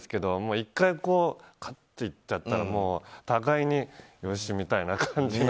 １回、かちんっていっちゃったら互いに、よしみたいな感じで。